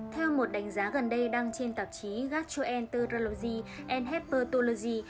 theo một đánh giá gần đây đăng trên tạp chí gastroenterology and hepatology